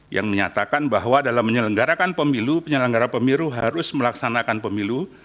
yang menyatakan bahwa dalam menyelenggarakan pemilu penyelenggara pemilu harus melaksanakan pemilu